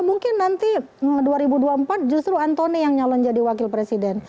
mungkin nanti dua ribu dua puluh empat justru antoni yang nyalon jadi wakil presiden